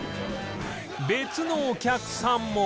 別のお客さんも